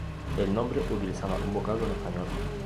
El nombre utilizaba un vocablo en español.